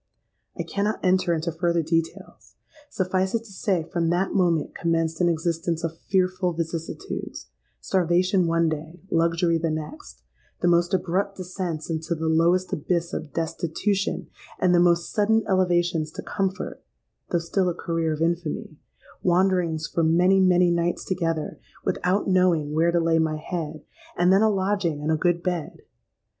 I cannot enter into further details; suffice it to say, from that moment commenced an existence of fearful vicissitudes,—starvation one day, luxury the next,—the most abrupt descents into the lowest abyss of destitution, and the most sudden elevations to comfort, though still a career of infamy,—wanderings for many, many nights together, without knowing where to lay my head, and then a lodging and a good bed!